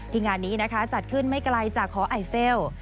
งานนี้นะคะจัดขึ้นไม่ไกลจากหอไอเฟล